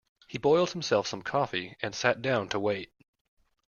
He boiled himself some coffee and sat down to wait.